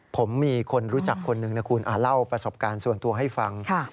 ผมมีคนรู้จักคนหนึ่งนะคุณเล่าประสบการณ์ส่วนตัวให้ฟัง